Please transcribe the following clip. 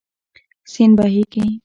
سیند بهېږي.